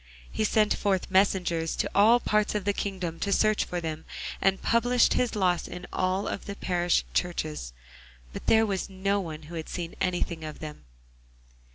He sent forth messengers to all parts of the kingdom to search for them, and published his loss in all the parish churches, but there was no one who had seen anything of them.